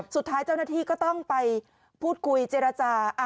สุดท้ายเจ้าหน้าที่ก็ต้องไปพูดคุยเจรจา